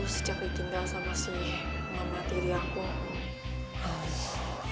sejak ditinggal sama si mama tiri aku